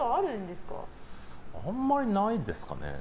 あまりないですかね。